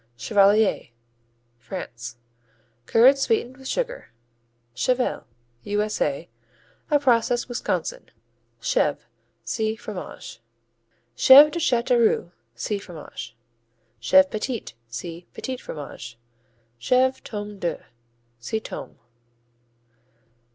Chevalier France Curds sweetened with sugar. Chevèlle U.S.A. A processed Wisconsin. Chèvre see Fromages. Chèvre de Chateauroux see Fromages. Chèvre petit see Petìts Fromages. Chèvre, Tome de see Tome.